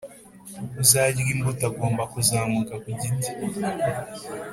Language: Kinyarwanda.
uzarya imbuto agomba kuzamuka ku giti.